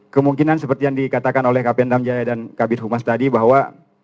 kemungkinan seperti yang dikatakan oleh kapten damjaya dan kabir humas tadi bahwa